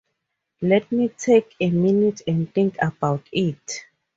Let me take a minute and think about it.